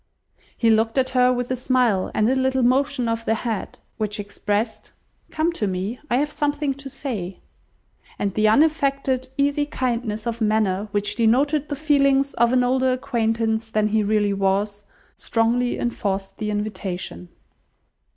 He looked at her with a smile, and a little motion of the head, which expressed, "Come to me, I have something to say;" and the unaffected, easy kindness of manner which denoted the feelings of an older acquaintance than he really was, strongly enforced the invitation.